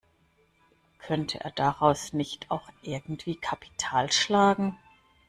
Könnte er daraus nicht auch irgendwie Kapital schlagen?